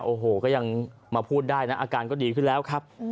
โอ้โหก็ยังมาพูดได้นะอาการก็ดีขึ้นแล้วครับ